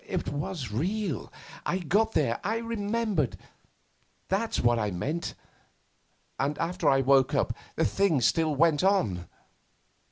It was real. I got there. I remembered. That's what I meant. And after I woke up the thing still went on.